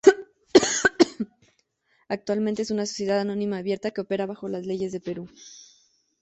Actualmente es una sociedad anónima abierta que opera bajo las leyes de Perú.